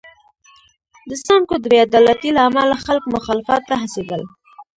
د سانکو د بې عدالتۍ له امله خلک مخالفت ته هڅېدل.